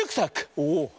おお！